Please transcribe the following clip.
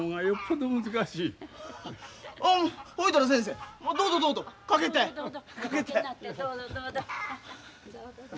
どうぞどうぞ。